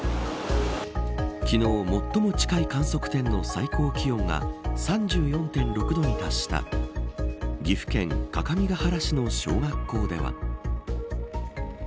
昨日、最も近い観測点の最高気温が３４．６度に達した岐阜県各務原市の小学校では。